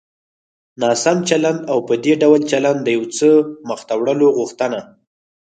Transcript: ناسم چلند او په دې ډول چلند د يو څه مخته وړلو غوښتنه.